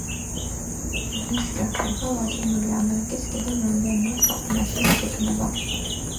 მის გაშვება ლათინური ამერიკის კიდევ რამდენიმე ქვეყანაში იგეგმება.